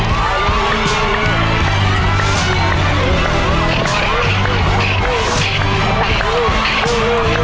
ตัดแล้วตรงรอได้เลย